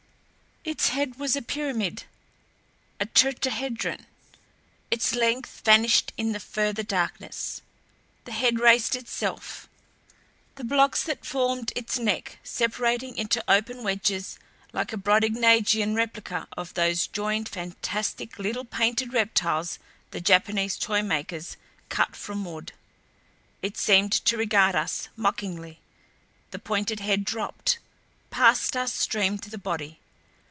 Its head was a pyramid, a tetrahedron; its length vanished in the further darkness. The head raised itself, the blocks that formed its neck separating into open wedges like a Brobdignagian replica of those jointed, fantastic, little painted reptiles the Japanese toy makers cut from wood. It seemed to regard us mockingly. The pointed head dropped past us streamed the body.